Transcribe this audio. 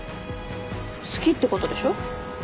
好きってことでしょ？